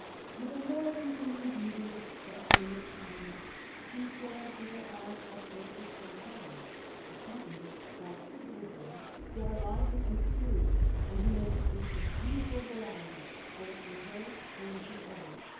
With a more than human beauty of expression in her countenance, she stands with her eyes uplifted towards Heaven, accompanied by two little boys, who are lively and spirited, and who make a group of beautiful variety both with her and with the others.